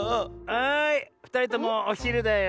はいふたりともおひるだよ。